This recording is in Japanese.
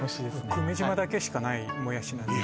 久米島だけしかないもやしなんですね